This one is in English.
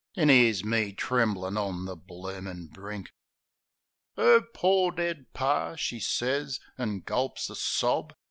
An' 'ere's me tremblin' on the bloomin' brink. " 'Er pore dead Par," she sez, an' gulps a sob.